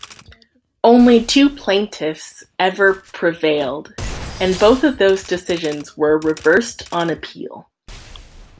Only two plaintiffs ever prevailed, and both of those decisions were reversed on appeal.